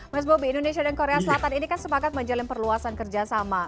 mas bobi indonesia dan korea selatan ini kan sepakat menjalin perluasan kerjasama